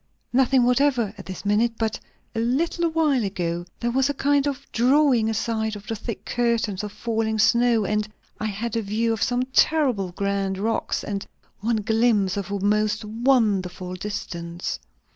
"Nothing whatever, at this minute; but a little while ago there was a kind of drawing aside of the thick curtain of falling snow, and I had a view of some terribly grand rocks, and one glimpse of a most wonderful distance."